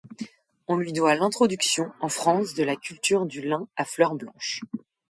On lui doit l'introduction en France de la culture du lin à fleur blanche.